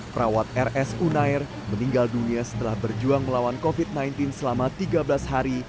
perawat rs unair meninggal dunia setelah berjuang melawan covid sembilan belas selama tiga belas hari